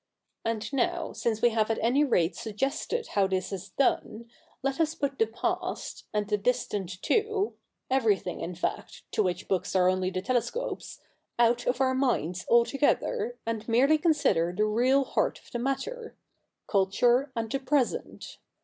xA.nd now, sine: we have at any rate suggested how this is done, let us put the past, and the distant too — everything in fact, to which books are only the telescopes — out of our minds altogether, and merely consider the real heart of the matter — culture and the present.